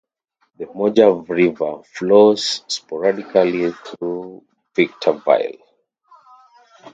The Mojave River flows sporadically through Victorville.